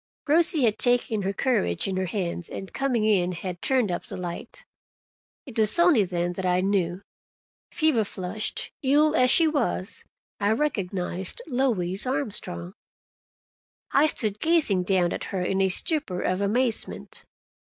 Rosie had taken her courage in her hands, and coming in had turned up the light. It was only then that I knew. Fever flushed, ill as she was, I recognized Louise Armstrong. I stood gazing down at her in a stupor of amazement.